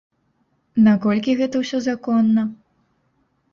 Наколькі гэта ўсё законна?